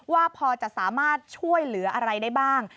ว่าพอจะสามารถช่วยเหลืออะไรได้บ้าง